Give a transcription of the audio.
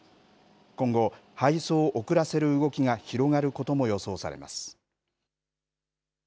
今後、配送を遅らせる動きが広がることも予想されます。